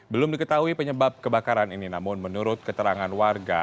belum diketahui penyebab kebakaran ini namun menurut keterangan warga